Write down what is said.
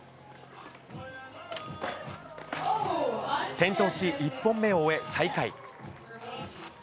転倒し、１本目を終え、最下位。